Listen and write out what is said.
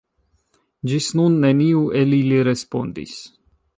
Ĝis nun neniu el ili respondis.